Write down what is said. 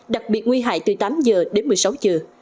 đặc biệt nguy hại từ tám giờ đến một mươi sáu giờ